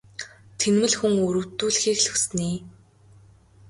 Тэнэмэл хүн өрөвдүүлэхийг л хүснэ ээ.